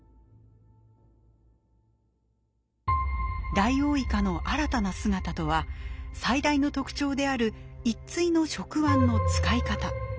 ダイオウイカの新たな姿とは最大の特徴である一対の触腕の使い方。